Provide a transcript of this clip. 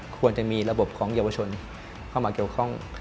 ควรจะมีระบบของเยาวชนเข้ามาเกี่ยวข้อง